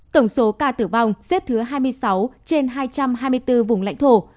tổng số ca tử vong xếp thứ hai mươi sáu trên hai trăm hai mươi bốn vùng lãnh thổ